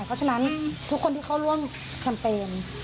เพราะฉะนั้นทุกคนที่เข้าร่วมแคมเปญ